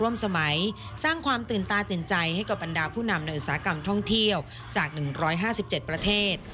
สมัยสร้างความตื่นตาตื่นใจให้กับบรรดาผู้นำในอุตสาหกรรมท่องเที่ยวจาก๑๕๗ประเทศ